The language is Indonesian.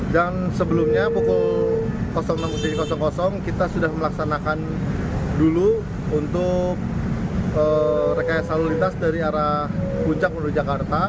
dan sebelumnya pukul enam kita sudah melaksanakan dulu untuk rekayasa lalu lintas dari arah puncak menuju jakarta